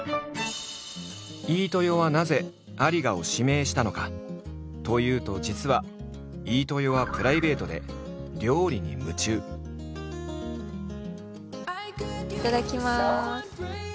飯豊はなぜ有賀を指名したのかというと実は飯豊はプライベートでいただきます。